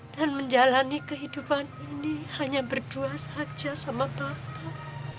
dan menjalani kehidupan ini hanya berdua saja sama bapak